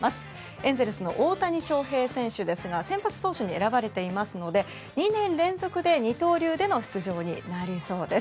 エンゼルスの大谷翔平選手ですが先発投手に選ばれていますので２年連続で二刀流での出場となりそうです。